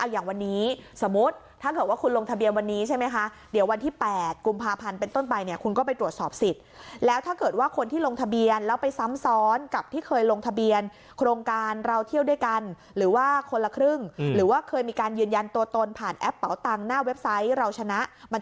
อย่างวันนี้สมมุติถ้าเกิดว่าคุณลงทะเบียนวันนี้ใช่ไหมคะเดี๋ยววันที่๘กุมภาพันธ์เป็นต้นไปเนี่ยคุณก็ไปตรวจสอบสิทธิ์แล้วถ้าเกิดว่าคนที่ลงทะเบียนแล้วไปซ้ำซ้อนกับที่เคยลงทะเบียนโครงการเราเที่ยวด้วยกันหรือว่าคนละครึ่งหรือว่าเคยมีการยืนยันตัวตนผ่านแอปเป๋าตังค์หน้าเว็บไซต์เราชนะมันจะ